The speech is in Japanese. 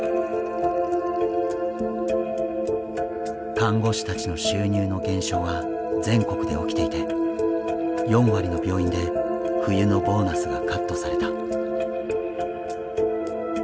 看護師たちの収入の減少は全国で起きていて４割の病院で冬のボーナスがカットされた。